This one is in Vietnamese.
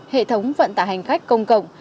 hệ thống vận tả hành khách công cộng